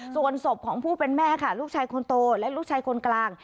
ส่วนศพของผู้เป็นแม่ค่ะลูกชายคนโตและลูกชายคนกลาง